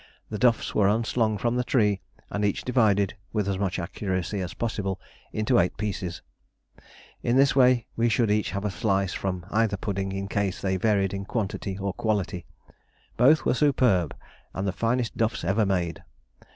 The duffs were unslung from the tree, and each divided with as much accuracy as possible into eight pieces: in this way we should each have a slice from either pudding in case they varied in quantity or quality. Both were superb, and the finest duffs ever made.